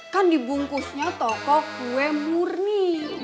kan dibungkusnya toko kue murni